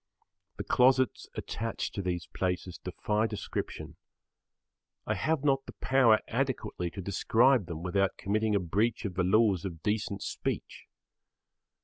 The closets attached to these places defy description. I have not the power adequately to describe them without committing a breach of the laws of decent speech.